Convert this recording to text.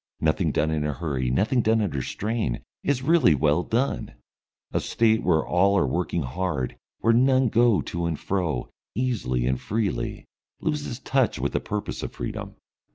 Nothing done in a hurry, nothing done under strain, is really well done. A State where all are working hard, where none go to and fro, easily and freely, loses touch with the purpose of freedom.